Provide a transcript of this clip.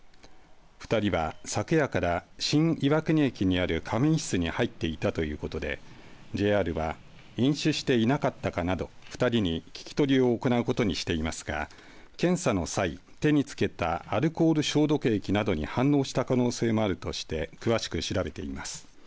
２人は昨夜から新岩国駅にある仮眠室に入っていたということでＪＲは飲酒していなかったかなど２人に聞き取りを行うことにしていますが検査の際、手につけたアルコール消毒液などに反応した可能性もあるとして詳しく調べています。